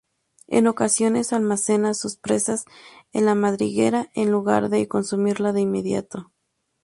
En ocasiones almacena sus presas en la madriguera en lugar de consumirla de inmediato.